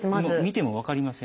見ても分かりません。